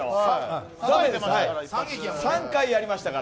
３回やりましたから。